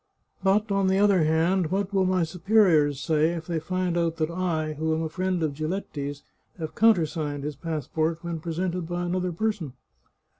But, on the other hand, what will my superiors say if they find out that I, who am a friend of Giletti's, have countersigned his pass port when presented by another person